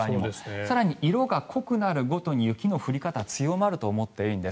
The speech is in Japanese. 更に色が濃くなるごとに雪の降り方は強まると思っていいんです。